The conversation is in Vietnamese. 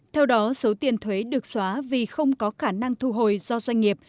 theo đó số tiền thuế được xóa vì không có khả năng thu hồi do doanh nghiệp